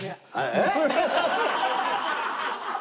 えっ！？